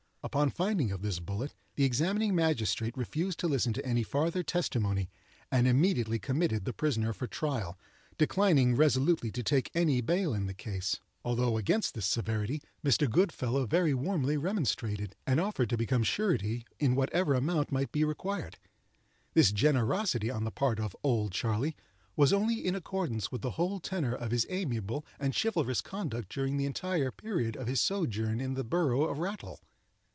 Upon finding of this bullet, the examining magistrate refused to listen to any farther testimony, and immediately committed the prisoner for trial—declining resolutely to take any bail in the case, although against this severity Mr. Goodfellow very warmly remonstrated, and offered to become surety in whatever amount might be required. This generosity on the part of "Old Charley" was only in accordance with the whole tenor of his amiable and chivalrous conduct during the entire period of his sojourn in the borough of Rattle.